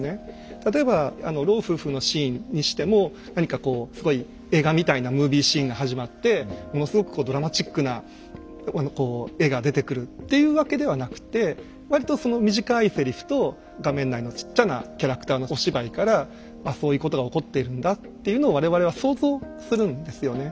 例えば老夫婦のシーンにしても何かこうすごい映画みたいなムービーシーンが始まってものすごくこうドラマチックなこう絵が出てくるっていうわけではなくて割とその短いセリフと画面内のちっちゃなキャラクターのお芝居から「そういうことが起こっているんだ」っていうのを我々は想像するんですよね。